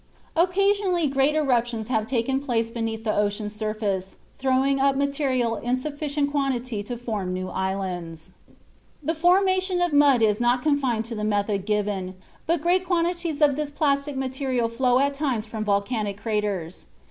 Occasionally great eruptions have taken place beneath the ocean's surface, throwing up material in sufficient quantity to form new islands. The formation of mud is not confined to the method given, but great quantities of this plastic material flow at times from volcanic craters.